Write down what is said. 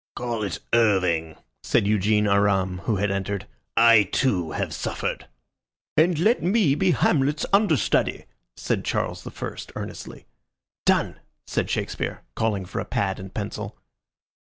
"Call it Irving," said Eugene Aram, who had entered. "I too have suffered." "And let me be Hamlet's understudy," said Charles the First, earnestly. "Done!" said Shakespeare, calling for a pad and pencil.